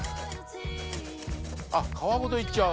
あっ皮ごといっちゃう？